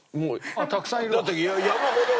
たくさんいるわ。